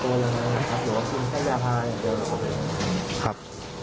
หรือว่าคิดให้ยาพาอย่างเดิมหรือเปล่าครับ